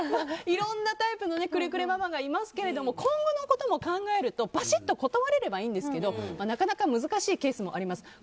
いろんなタイプのクレクレママがいますけど今後のことを考えるとバシッと断れればいいんですけどなかなか難しいケースもあります。